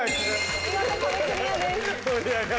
見事壁クリアです。